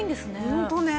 ホントね。